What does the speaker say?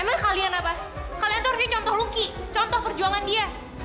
emang kalian apa kalian tuh harusnya contoh luki contoh perjuangan dia